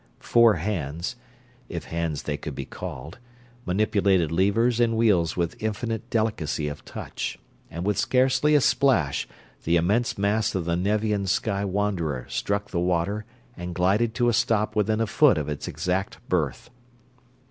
Four hands if hands they could be called manipulated levers and wheels with infinite delicacy of touch, and with scarcely a splash the immense mass of the Nevian sky wanderer struck the water and glided to a stop within a foot of its exact berth.